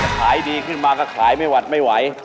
ขายดีขึ้นมาก็ขายไม่หวัดไม่ไหว